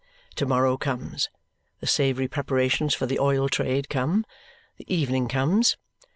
To morrow comes, the savoury preparations for the Oil Trade come, the evening comes.